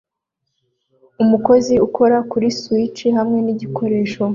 Umukozi ukora kuri switch hamwe nigikoresho